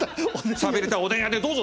「寂れたおでん屋でどうぞ！」